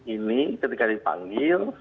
ini ketika dipanggil